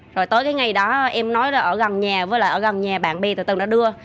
rồi tới cái ngày đó em nói là ở gần nhà với là ở gần nhà bạn bè từ từ nó đưa